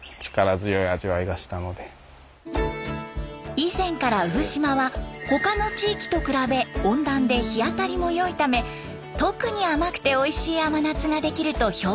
以前から産島は他の地域と比べ温暖で日当たりも良いため特に甘くておいしい甘夏ができると評判でした。